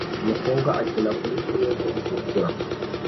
Umukobwa akina kurisheze itukura